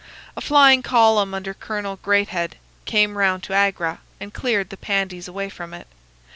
A flying column under Colonel Greathed came round to Agra and cleared the Pandies away from it.